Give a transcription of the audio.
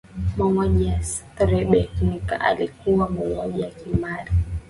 mauaji ya srebrenica yalikuwa mauaji ya kimbari